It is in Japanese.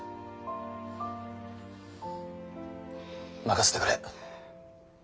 任せてくれ。